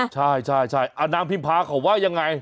ใช่ใช่ใช่อ่านางพิมพาเขาว่ายังไง